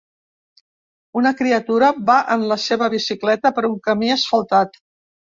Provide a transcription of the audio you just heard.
Una criatura va en la seva bicicleta per un camí asfaltat.